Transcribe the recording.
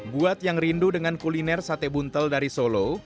buat yang rindu dengan kuliner sate buntel dari solo